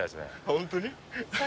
本当に？